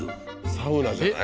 サウナじゃない？